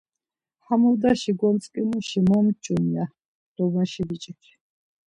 Ham odaşi gontzǩimuşi momç̌un ya lomeşi biç̌ik.